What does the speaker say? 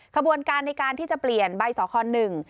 ขบวนการในการที่จะเปลี่ยนใบสอคหนึ่ง